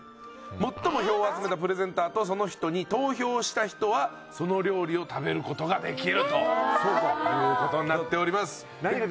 最も票を集めたプレゼンターとその人に投票した人はその料理を食べることができるということになっております。